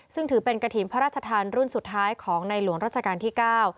ซึ่งถือเป็นกระถิ่นพระราชทานรุ่นสุดท้ายของในหลวงราชการที่เก้า